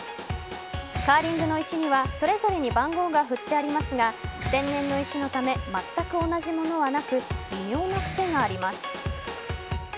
カーリングの石にはそれぞれに番号が振ってありますが天然の石のためまったく同じものはなく微妙な癖があります。